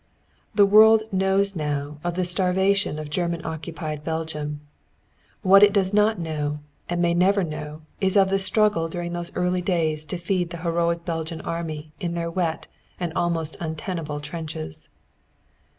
The world knows now of the starvation of German occupied Belgium. What it does not know and may never know is of the struggle during those early days to feed the heroic Belgian Army in their wet and almost untenable trenches.